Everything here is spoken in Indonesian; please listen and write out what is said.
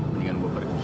mendingan gue pergi